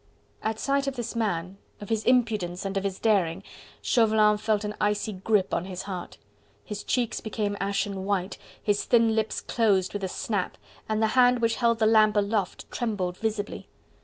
At sight of this man, of his impudence and of his daring, Chauvelin felt an icy grip on his heart. His cheeks became ashen white, his thin lips closed with a snap, and the hand which held the lamp aloft trembled visibly.